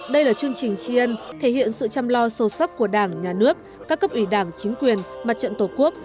đây là chương trình tri ân thể hiện sự chăm lo sâu sắc của đảng nhà nước các cấp ủy đảng chính quyền mặt trận tổ quốc